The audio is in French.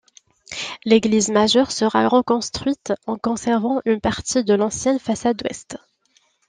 L'église majeure sera reconstruite en conservant une partie de l'ancienne façade ouest.